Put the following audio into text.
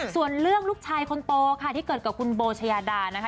ส่วนเรื่องลูกชายคนโตค่ะที่เกิดกับคุณโบชายาดานะคะ